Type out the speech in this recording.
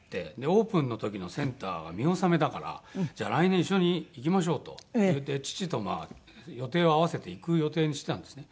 オープンの時のセンターは見納めだからじゃあ来年一緒に行きましょうといって父と予定を合わせて行く予定にしてたんですね。